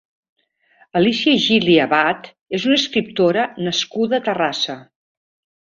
Alícia Gili Abad és una escriptora nascuda a Terrassa.